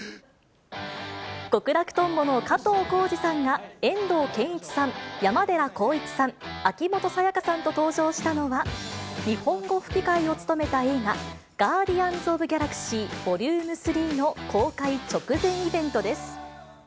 極楽とんぼの加藤浩次さんや、遠藤憲一さん、山寺宏一さん、秋元才加さんと登場したのは、日本語吹き替えを務めた映画、ガーディアンズ・オブ・ギャラクシー：ＶＯＬＵＭＥ３の公開直前イベントです。